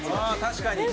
確かに！